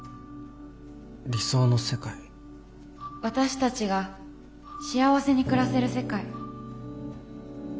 私たちが幸せに暮らせる世界。